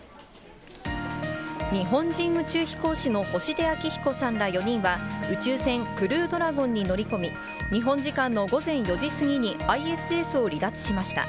日本人宇宙飛行士の星出彰彦さんら４人は、宇宙船クルードラゴンに乗り込み、日本時間の午前４時過ぎにＩＳＳを離脱しました。